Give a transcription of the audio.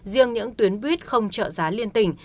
riêng những tuyến buýt không trợ giá liên tỉnh